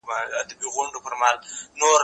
زه بايد د کتابتون کتابونه لوستل کړم،